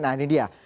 nah ini dia